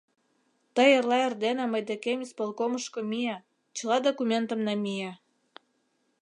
Тый эрла эрдене мый декем исполкомышко мие, чыла документым намие.